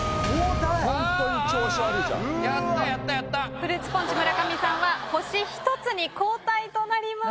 フルーツポンチ村上さんは星１つに後退となります。